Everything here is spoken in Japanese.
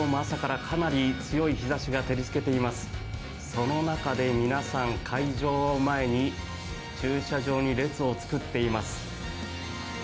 その中で皆さん開場を前に駐車場に列を作っています。